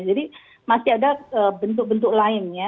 jadi masih ada bentuk bentuk lain ya